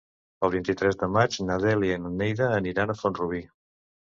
El vint-i-tres de maig na Dèlia i na Neida aniran a Font-rubí.